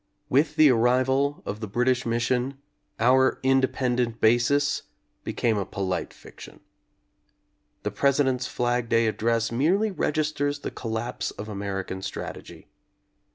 With the arrival of the British Mission our "independent basis" became a polite fiction. The President's Flag Day Address merely registers the collapse of American strategy.